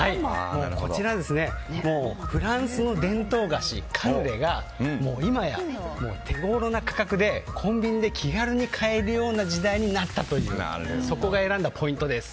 こちら、フランスの伝統菓子カヌレがもう今や手ごろな価格でコンビニで気軽に買えるような時代になったというそこが選んだポイントです。